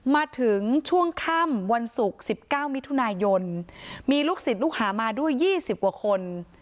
มาถึงช่วงค่ำวันศุกร์๑๙มิถุนายนมีลูกศิษย์ลูกหามาด้วย๒๐กว่าคน